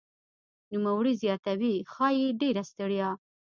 نوموړی زیاتوي "ښايي ډېره ستړیا